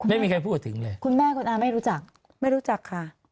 ไม่มีใครพูดถึงเลยคุณแม่คุณอาไม่รู้จักไม่รู้จักค่ะ